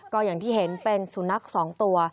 ก็อย่างที่เห็นเป็นสุนัข๒ตัว